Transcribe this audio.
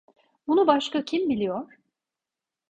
Bunu başka kim biliyor?